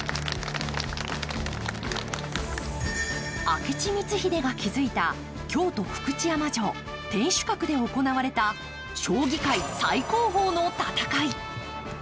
明智光秀が築いた京都・福知山城・天守閣で行われた将棋界最高峰の戦い。